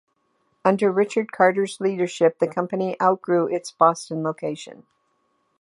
Under Richard Carter's leadership the company outgrew its Boston location.